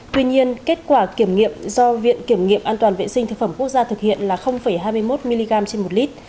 tuy nhiên kết quả kiểm nghiệm do viện kiểm nghiệm an toàn vệ sinh thực phẩm quốc gia thực hiện là hai mươi một mg trên một lít